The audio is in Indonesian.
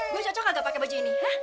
gua cocok gak tuh pakai baju ini hah